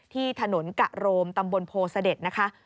ที่ถนนกะโรมตำบลโพเสด็จนะคะ